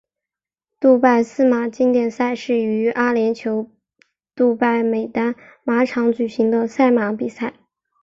杜拜司马经典赛是于阿联酋杜拜美丹马场举行的赛马比赛。